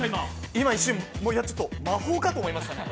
今、一瞬、魔法かと思いましたね。